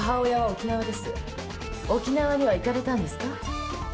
沖縄には行かれたんですか？